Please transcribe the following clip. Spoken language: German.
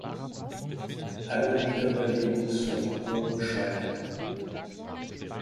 Alle Wiederbelebungsversuche scheiterten.